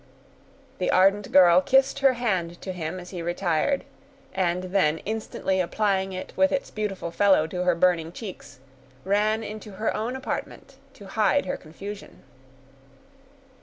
The ardent girl kissed her hand to him as he retired, and then instantly applying it with its beautiful fellow to her burning cheeks, ran into her own apartment to hide her confusion.